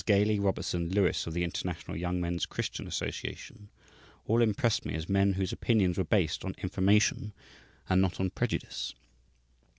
Gaily, Robertson, and Lewis, of the International Young Men's Christian Association, all impressed me as men whose opinions were based on information and not on prejudice.